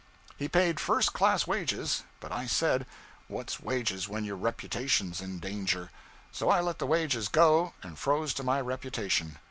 He paid first class wages; but said I, What's wages when your reputation's in danger? So I let the wages go, and froze to my reputation.